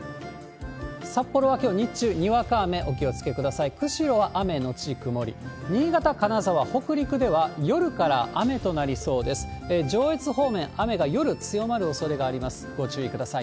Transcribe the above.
札幌はきょう日中、にわか雨お気をつけください。